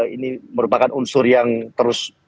ini merupakan unsur yang terus